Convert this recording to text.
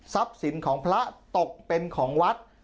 ทรัพย์สินของพระตกเป็นของวัด